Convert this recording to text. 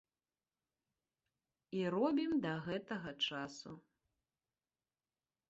І робім да гэтага часу.